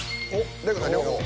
大悟さん両方。